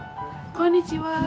こんにちは。